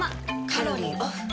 カロリーオフ。